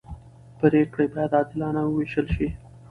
پرېکړې باید عادلانه وېشل شي